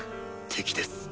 敵です